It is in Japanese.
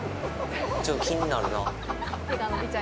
ちょっと気になるな。